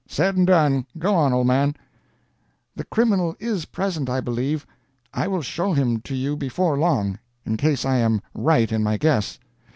"Said and done. Go on, old man!" "The criminal is present, I believe. I will show him to you before long, in case I am right in my guess.